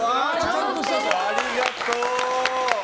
ありがとう！